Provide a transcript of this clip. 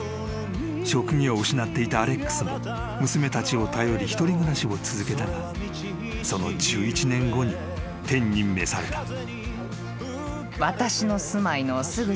［職業を失っていたアレックスも娘たちを頼り一人暮らしを続けたがその１１年後に天に召された］